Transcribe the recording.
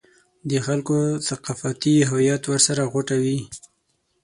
د خلکو ثقافتي هویت ورسره غوټه وي.